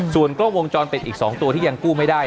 ส่วนกล้องวงจรปิดอีก๒ตัวที่ยังกู้ไม่ได้